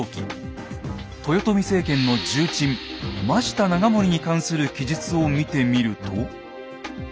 豊臣政権の重鎮増田長盛に関する記述を見てみると。